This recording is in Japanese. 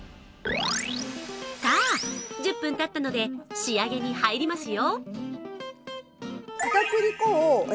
さあ、１０分たったので仕上げに入りますよ。